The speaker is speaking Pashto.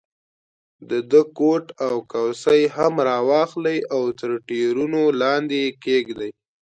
د ده کوټ او کوسۍ هم را واخلئ او تر ټایرونو یې لاندې کېږدئ.